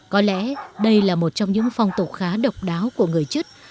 có lẽ đây là một trong những phong tục khá độc đáo của người chất